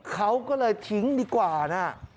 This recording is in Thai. เขาก็เลยทิ้งดีกว่านะ